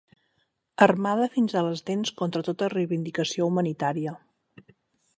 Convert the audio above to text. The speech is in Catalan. Armada fins a les dents contra tota reivindicació humanitària